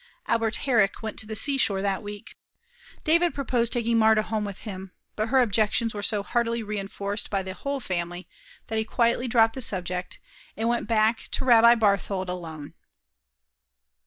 Albert Herrick went to the seashore that week. David proposed taking Marta home with him; but her objections were so heartily re enforced by the whole family that he quietly dropped the subject, and went back to Rabbi Barthold alone.